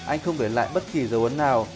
anh không để lại bất kỳ dấu ấn nào